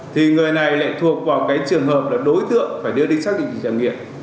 thì người này lại thuộc vào cái trường hợp là đối tượng phải đưa đi xác định tỷ trang nghiện